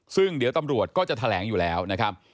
ซึ่งเดี๋ยวตำรวจก็จะแถลงอยู่แล้วนะครับ